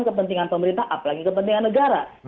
kepentingan pemerintah apalagi kepentingan negara